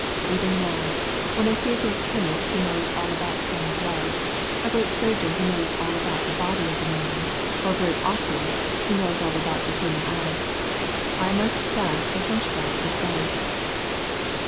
Even now, when I see a great chemist who knows all about some drug; a great surgeon who knows all about the body of a man; or a great oculist who knows all about the human eye, I must class the hunchback with them.